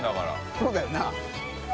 そうだよな。